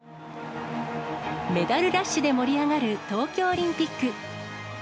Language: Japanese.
メダルラッシュで盛り上がる東京オリンピック。